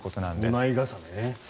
２枚重ねね。